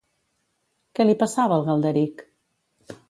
Què li passava al Galderic?